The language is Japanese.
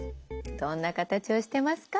どんな形をしてますか？